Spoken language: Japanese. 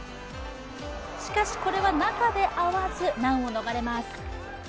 しかし、これは中で合わず、難を逃れます。